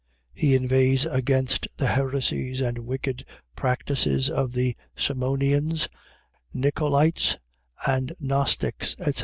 He inveighs against the heresies and wicked practices of the Simonians, Nicolaites, and Gnostics, etc.